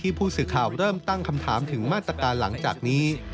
ผู้สื่อข่าวเริ่มตั้งคำถามถึงมาตรการหลังจากนี้